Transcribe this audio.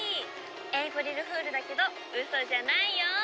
「エイプリルフールだけどウソじゃないよ」